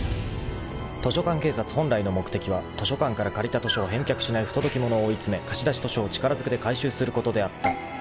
［図書館警察本来の目的は図書館から借りた図書を返却しない不届き者を追い詰め貸し出し図書を力ずくで回収することであった］